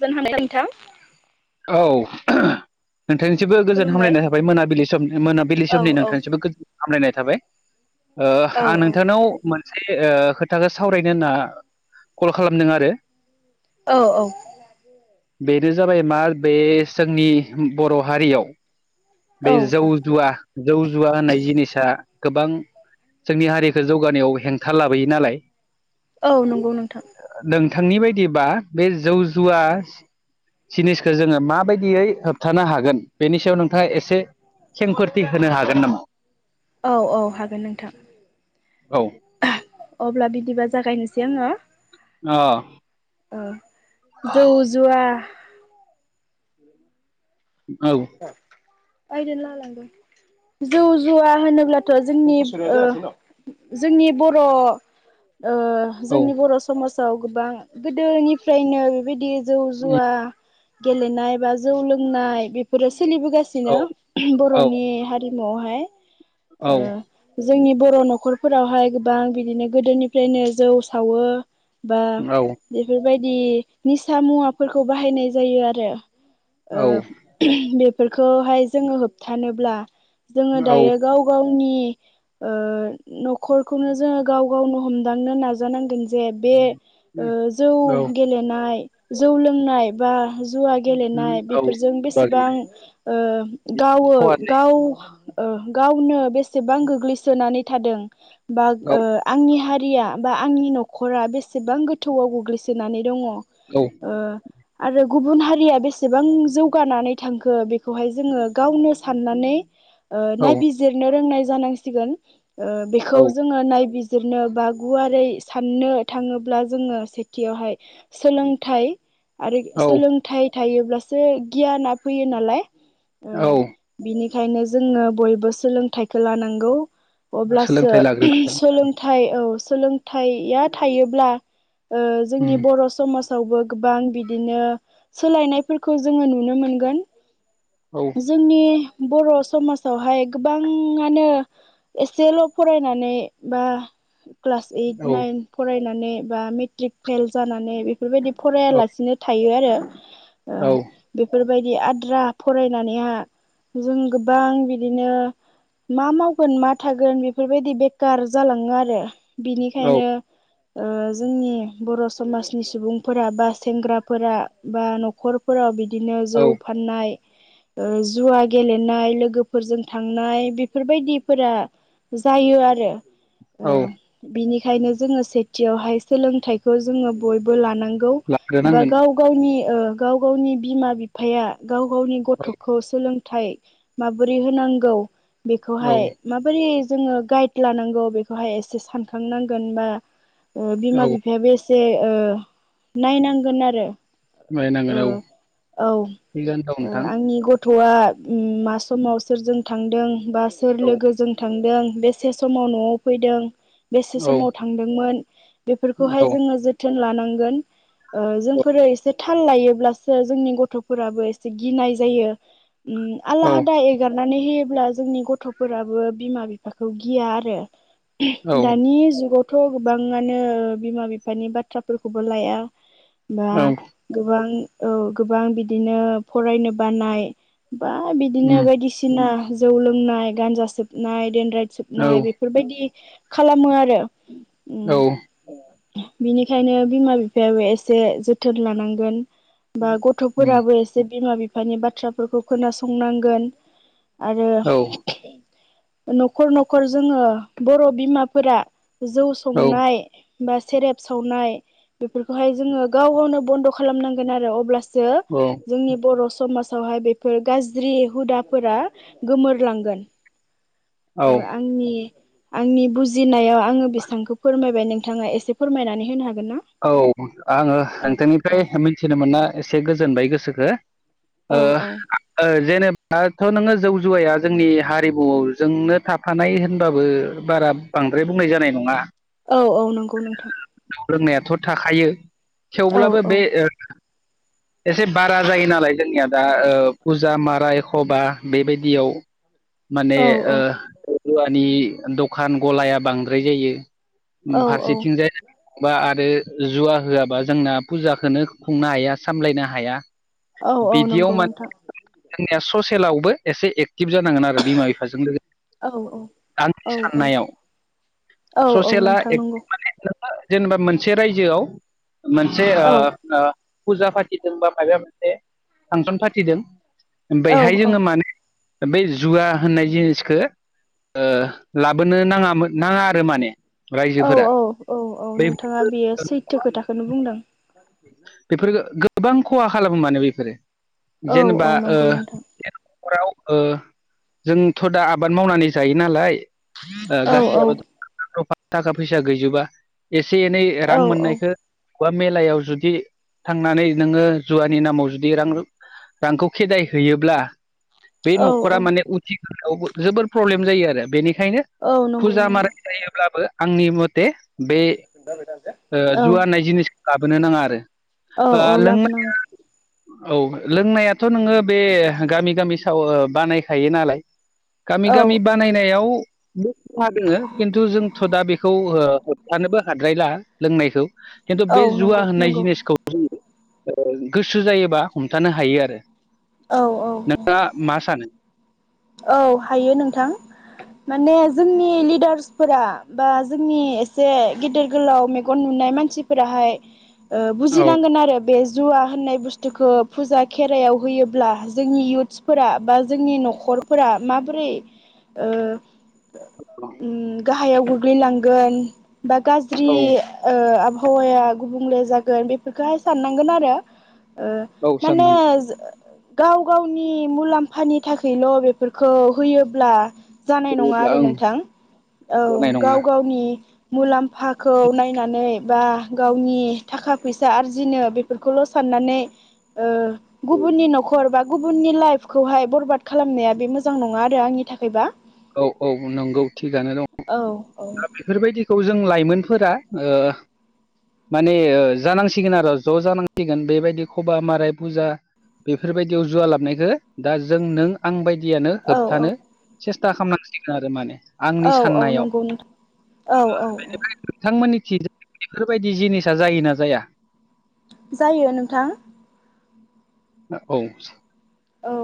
जोन ह खान्था [unintelligible] औ नोंथांनिसिमबो गोजोन खुलुमबाय हामलायनाय थाबाय मोनाबिलि सम मोनाबिलि औ समनि औ नोंथांनिसिमबो हामलायनाय थाबाय ओ औ आं नोंथांनाव मोनसे खोथाखौ सावरायनो होनना कल खालामदों आरो औ औ बेनो जाबाय मा बे जोंनि बर हारियाव बे औ जौ जुवा जौ जुवा होननाय जिनिसा गोबां जोंनि हारिखौ जौगानायाव हेंथा लाबोयो नालाय औ नंगौ नोंथां नोंथांनि बायदिबा बे जौ जुवा जिनिसखौ जोङो माबायदियै होबथानो हागोन बेनि सायाव नों नोंथांआ एसे खेंखोरथि होनो हागोन नामा औ औ हागोन नोंथां औ अब्ला बिदिबा जागायनोसै आङो अ जौ जुवा औ यजोंनो ल लांगोन [unintelligible] जौ जुवा होनोब्लाथ जोंनि जोंनि बर [inaudible] ओ औ जोंनि बर' समाजाव गोबां गोदोनिफ्रायनो बेबायदि जौ उम जुवा गेलेनाय बा जौ लोंनाय बेफोरो औ सोलिबोगासिनो औ बर'नि हारिमुआवहाय। औ ओ जोंनि बर' न'खरफोरावहाय गोबां बिदिनो गोदोनिफ्रायनो जौ सावो बा औ बेफोरबायदि निसा मुवाफोरखौ बाहायनाय जायो आरो। औ ओ बेफोरखौहाय जोङो होबथानोब्ला जोङो दायो गाव गावनि ओ नखरखौनो जोङो गाव गावनो हमदांनो नाजानांगोन। जे बे उम, ओ जौ औ गेलेनाय जौ लोंनाय बा जुवा उम, गेलेनाय औ बेफोरजों बागेल बेसेबां ओ गावो खहा गाव ओ गावनो बेसेबां गोग्लैसोनानै थादों बा जायो आंनि हारि या बा आंनि न'रा बेसेबां गोथौआव गोग्लैसोनानै दङ औ आरो गुबुन हारिया बेसेबां जौगानानै थांखो बेखौहाय जोङो गावनो सनानै ओ औ नायबिजिरनो रोंनाय जानांसिगोन ओ बेखौ औ जोङो नाय जिरनो बा गुवारै साननो थाङोब्ला जोङो सेथियावहाय सोलोंथाइ आरो औ सोलोंथाइ थायोब्लासो गियाना फैयो नालाय। ओ बिनि ओंखायनो जोङो बयबो सोलोंथाइखौ लानांगौ। औ अब्लासो सोलोंथाइ लाग्रोनांगोन सोलोंथाइ औ सोलोंथाइया थायोब्ला ओ उम जोंनि बर' समाजावबो गोबां बिदिनो सोलायनायफोरखौ जोङो नुनो मोनोन गोन औ जोंनि बर' समाजावहाय गोबाङानो एसेल' फरायनानै बा क्लास ओइट औ नाइन फरायनानै बा मेट्रिक फेल जानानै बे बेफोरबायदि औ फरायालासिनो थायो आरो ओ औ बेफोर बेबायायदि आद्रा फरायनानैहा जों गोबां बिदिनो मा मावगोन मा थागोन बेफोरबायदि बेखार जालाङो आरो औ बिनिखायनो ओ जोंनि बर' समाजनि सुबुंफोरा बा सेंग्राफोरा बा न'खरफोराव बिदिनो जौ औ फाननाय ओ जुवा गेलेनाय लोगोफोरजों थांनाय बेफोरबायदिफोरा जायो आरो औ ओ बिनिखायनो जोङो सेथियावहाय सोलोंथाइखौ जोङो बयबो लानांगौ गौ बा लाग्रोनांगोन गाव गावनि ओ गाव गावनि बिमा बिफाया गाव गावनि औ गथ'खौ सोलोंथाइ माबोरै होनांगौ बेखौहाय औ माबोरै जोङो गाइड लानांगौ बेखौहाय एसे सानखांनांगोन बा ओ बिमा औ बिफायाबो एसे जे ओ नायनांगोन आरो ओ नायनांगोन औ औ थिगानो दं ओ नोंथां आंनि गथ'आ मा समाव सोरजों थांदों बा सोर औ लोगोजों थांदों बेसे समाव न'आव फैदों बेसे औ समाव थांदोंमोन बेफोरखौहाय औ जोङो जोथोन लानांगौ गोन ओ जोंफोरो एसे थाल‌‌' थायोब्लासो जोंनि गथ'फोराबो एसे गिनाय जायो उम औ आलाहादा एगारनानैहोयो अब्ला जोंनि गथ'फोराबो बिमा बिफाखौ गिया आरो औ दानि जुगावथ' थ' गोबाङानो बिमा बिफानि बाथ्राफोरखौबो लाया बा गोबां औ गोबां बिदिनो फरायनो बानाय बा बिदिनो उम बायदिसिना जौ लोंनाय गानजा सोबनाय दे राय औ जोबनाय बेफोरबायदि खालामो आरो औ उम बिनिखायनो बिमा बिफायाबो एसे जोथोन लानांगोन बा गथ' उम फोराबो एसे बिमा बिफानि बाथ्राफोरखौ खोनासंनांगोन आरो औ न'खर न'खर जोङो बर' बिमाफोरा जौ संनाय बा सेरेप सावनाय बेफोरखौहाय जोङो गाव गावनो बन्द' खालामनांगोन आरो अब्लासो औ जोंनि बर' समाजावहाय बेफोर गाज्रि हुदाफोरा गोमोरलांगोन औ ओ आंनि आंनि बुजिनायाव आङो बेसांखौ फोरमाय बाय नोंथाङा एसे फोरमायनानै होनो हागोन ना? औ आङो औ औ नोंथांनिफ्राय मिथिनो मोना एसे गोजोनबाय गोसोखो औ ओ औ जेनेबा बाथ' नोङो जौ जुवाया जोंनि हारिमु जोंनो थाफानाय होनबाबो बारा बांद्राय बुंनाय जानाय नङा औ औ नंगौ नोंथां लोंनायाथ' थाखायो औ थेवब्लाबो औ बे ओ एसे बारा जायो नालाय जोंनिया दा फुजा मारा एख' बा बेबायदियाव माने औ ओ रुवानि दखान गलाया बांद्राय जायो औ औ फारसेथिंजाय बा आरो जुवा होआबा जोंना फुजाखौनो खुंनो हाया सामलायनो हाया औ औ बिदियाव नंगौ माने नोंथां जोंनिया ससेेलावबो एसे एक्टिभ जानांगोन आरो बिमा बिफाजों लोगोसे औ आननि औ औ साननायाव औ औ ससेला नोंथां नंगौ एटिभ माने जेनेबा मोनसे रायजोआव मोनसे औ ओ फुजा फाथिदों बा माबा मोनसे फांसन फाथिदों बेहाय जोङो माने बेै जुवा होननाय जिनिसखौ ओ लाबोनो नाङामोन नाङा आरो माने औ रायजोफोरा औ औ औ बे नोंथाङा बेयो सैथो खोथाखौनो बुंदों बेफोर गोबां खहा खालामो मानो बेफोरो औ औ जेनेबा ओ नंगौ नोंथां नख'राव ओ जोंथ' दा आबाद मावनानै जायो नालाय औ औ [unintelligible] थाखा फैसा गैजोबा एसे एनै औ रां औ मोननायखौ बा मेलायाव जुदि थांनानै नोङो जुवानि नामाव जुदि रां रांखौ खेदाय होयोब्ला बे औ औ न'खरा माने उथिखांनायावबो जोबोर प्रब्लेम जायो आरो बेनि खायनो औ नंगौ फुजा नंगौ माराय जायोब्लाबो आंनि मथे बे ओ औ जुवा होननाय जिनिसखौ लाबोनो नाङा आरो औ ओ औ लाबो लोंनाय नाङा औ लोंनायाथ' नोङो बे गामि गामि साव बानायखायो नालाय गामि औ गामि औ बानायनायाव बो खहा दोङो खिन्थु जोंथ' दा बेखौ ओ होबथानोबो हाद्रायला लोंनायखौ खिन्थु औ बे नंगौ जुवा होननाय नंगौ जिनिस [unintelligible] गोसो जायोबा हमथानो हायो आरो औ औ नोंथाङा मा सानो औ हायो नोंथां माने जोंनि लिडार्स फोरा बा जोंनि एसे गेदेर गोलाव मेगन नु नाय मानसिफोराहाय ओ बुजि औ नांगोन आरो बे जुवा होननाय बुस्थुखौ फुजा खेराइायाव होयोब्ला जोंनि इउथ्सफोरा बा जोंनि न'खर फोरा माबोरै ओ ओम गा हायाव गोग्लैलांगोन बा गाज्रि औ ओ आब हावाया गुबुंले जागोन बेफोरखौहाय साननांगोन आरो ओ औ माने साननानै गाव गावनि मुलाम्फानि थाखायल' बे फोरखौ होयोब्ला जानाय नङा फैयोब्ला आरो ओं नोंथां औ जानाय नङा गाव गावनि मुलाम फाखौ नायनानै बा गावनि थाखा फैसा आरजिनो बेफोरखौल' साननानै ओ गुबुननि न'खर बा गुबुननि लाइफखौहाय बरबाद खालामनाया बे मोजां नङा आरो आंनि थाखायबा औ औ नंगौ थिगानो दङ औ औ दा बेफोरबायदि खौ जों लाइमोनफोरा ओ माने ओ जानांसिगोन आरो ज' जानांसिगोन बेबायदि खबा माराय फुजा बेफोरबायदियाव जुवा लाबोनायखौ दा जों नों आं बाय दियानो औ होबथानो सेस्था खालामनांसिगोन आरो माने आंनि औ औ औ साननायाव नंगौ नोंथां औ औ बेनिफ्राय नोंथांमोननि बेफोरबायदि जिनिसा जायोना जाया जायो नोंथां। औ औ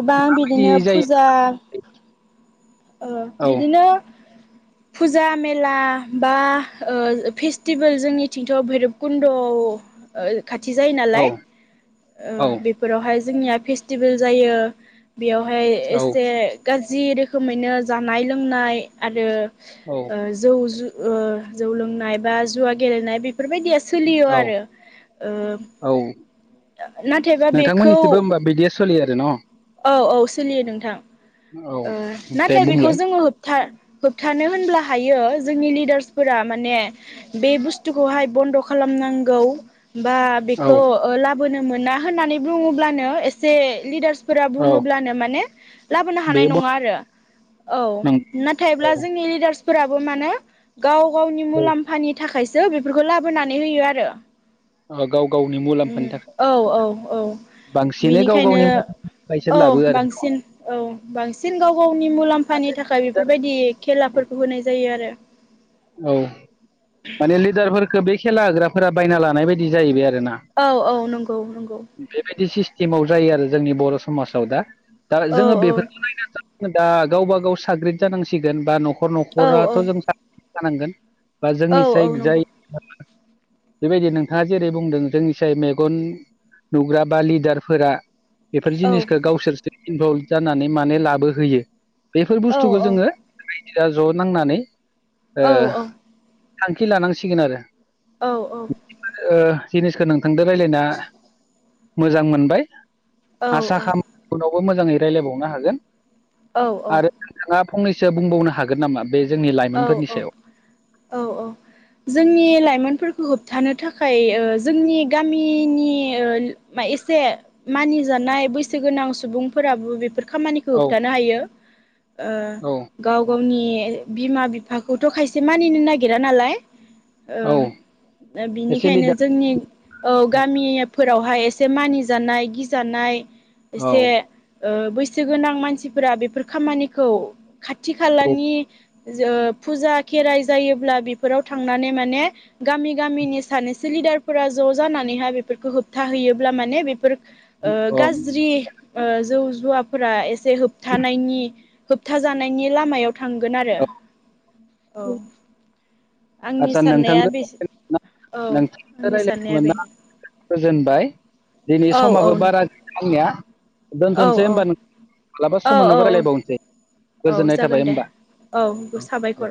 गोबां बायदि बिदिनो जायो फुजा ओ औ बिदिनो फुजा मेला बा ओ फेस्टिभेल जोंनिथिंथ' भैरबकुन्द'आव [inaudible] खाथि जायो नालाय औ ओ औ बेफोरावहाय जोंनिया फेस्टिभेल जायो। बेयावहाय औ एसे गाज्रि रोखोमैनो जानाय लोंनाय आरो औ ओ जौ जु ओ जौ लोंनाय बा जुवा गेलेनाय बे बेफोरबायदिया सोलियो औ आरो ओ औ नाथायबा बेखौ नोंथांमोननिथिबो होमबा बिदिया सोलियो आरो न औ औ सोलियो नोंथां। औ ओ दे नाथाय बेखौ बुंलाय जोङो होबथा होबथानो होनब्ला हायो जोंनि लिडार्सफोरा माने बे बुस्थुखौहाय बन्द' खालामनांगौ बा औ बेखौ ओ लाबोनो मोना होननानै बुङोब्लानो एसे लिडार्सफोरा औ बुङोब्लानो माने लाबोनो बे हानाय नङा आरो औ बन औ नाथायब्ला जोंनि लिडार्सफोराबो मानो गाव गावनि मुलाम्फानि थाखाय सो बेफोरखौ लाबोनानै होयो आरो औ गाव गावनि [inaudible] उम मुलाम्फानि थाखाय औ औ औ बांसिनै गाव बिनिखायनो गावनि मथेबा इसोर औ लाबो आरो बांसिन औ बांसिन गाव गाव गावनि मुलाम्फानि थाखाय बेफोरबायदि खेलाफोरखौ होनाय जायो आरो औ माने लिदारफोरखो बे खेला होग्राफोरा बायना लानाय बायदि जाहैबाय आरो औ औ नंगौ नंगौ [unintelligible] बेबायदि सि स्किमाव जायो आरो जोंनि बर' समाजाव दा दा औ जोङो औ बेफोरखौ नायनो [unintelligible] दा गावबा गाव साग्रिद जानांसिगोन बा न'खर औ न'खराथ' जों औ साग्रि जानांगोन बा जोंनि औ साय औ जाय नंगौ बेबायदि नोंथाङा जेरै बुंदों जोंनिसाय मेगन नुग्रा बा लिदारफोरा बेफोर औ जिनिसखौ गावसोरसो इनभल्भ जानानै माने लाबोहोयो बेफोर औ औ बुस्थुखौ औ जोङो रायजोआ ज' नांनानै ओ औ औ थांखि लानांसिगोन आरो औ औ ओ जिनिसखौ नोंथांदो रायलायना मोजां मोनबाय आसा खालाम उनावबो मोजाङै रायलायबावनो हागोन औ औ आरो नोंथाङा फंनैसो बुंबावनो हागोन नामा बे जोंनि औ लाइमोनफोरनि औ सायाव औ औ जोंनि लाइमोनफोरखौ होब थानो थाखाय ओ जोंनि गामिनि ओ मा एसे मानिजानाय बैसो गोनां सुबुंफोराबो बेफो खामानिखौ औ होबथानो हायो ओ औ गाव गावनि बिमा बिफाखौथ' खायसे मानिनो नागिरा नालाय ओ औ ओ एसे बिनिखायनो लिडार जोंनि औ गामि फोरावहाय एसे मानिजानाय गिजानाय औ एसे ओ बैसो गोनां मानसिफोरा बेफोर खामानिखौ खाथि औ खालानि जो फुजा खेराइ जायोब्ला बेफोराव थांनानै माने गामि गामिनि सानैसो लिडारफोरा ज' जानानैहाय बेफोरखौ होबथााहैयोब्ला माने बेफोर ओ औ गाज्रि ओ जौ जुवाफोरा एसे होबथानायनि होबथाजानायनि लामायाव थांगोन आरो औ औ आंनि साननाया बेस नोंथां रायलायनो मोनना गोजोनबाय दिनै औ समाबो औ बारा नोंथां [unintelligible] आंनिया औ दोनथ'नोसै औ होमबा नो मालाबा औ सम मोनोबा औ रायलायबावनोसै औ गोजोननाय थाबाय जागोन दे होमबा औ दे